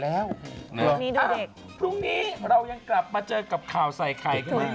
พรุ่งนี้ดูเด็กพรุ่งนี้เรายังกลับเจอกับข่าวไซค์ไข่